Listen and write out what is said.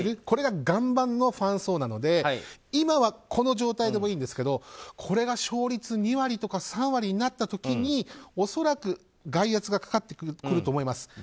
これが岩盤のファン層なので今はこの状態でもいいんですがこれが勝率２割とか３割になった時に恐らく、外圧がかかってくると思います。